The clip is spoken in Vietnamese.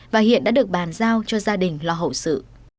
và hiện đã được bàn giao cho gia đình lo hậu sự